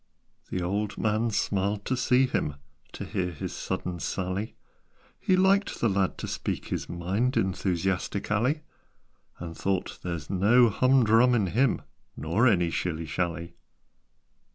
The old man smiled to see him, To hear his sudden sally; He liked the lad to speak his mind Enthusiastically; And thought "There's no hum drum in him, Nor any shilly shally."